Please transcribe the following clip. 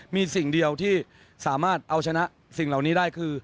มีสิ่งเดียวที่สามารถเอาชนะสิ่งเหล่านี้ได้คือ